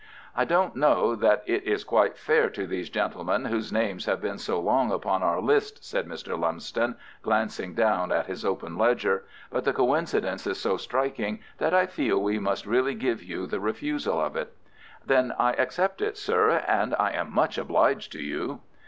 "I don't know that it is quite fair to these gentlemen whose names have been so long upon our list," said Mr. Lumsden, glancing down at his open ledger. "But the coincidence is so striking that I feel we must really give you the refusal of it." "Then I accept it, sir, and I am much obliged to you."